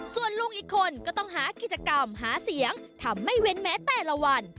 ส่วนลุงอีกคนก็ต้องหากิจกรรมหาเสียงทำไม่เว้นแม้แต่ละวัน